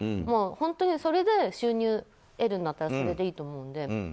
本当にそれで収入を得るんだったらそれでいいと思うので。